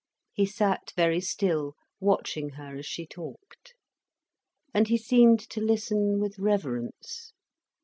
He sat very still, watching her as she talked. And he seemed to listen with reverence.